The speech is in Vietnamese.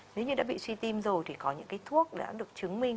nếu như đã bị suy tim rồi thì có những cái thuốc đã được chứng minh